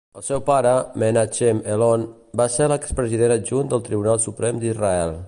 El seu pare, Menachem Elon, va ser l'expresident adjunt del Tribunal Suprem d'Israel.